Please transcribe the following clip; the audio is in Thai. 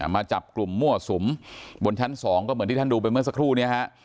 มาจับกลุ่มมั่วสุมบนชั้น๒ก็เหมือนที่ท่านดูไปเมื่อสักครู่นี้ฮะ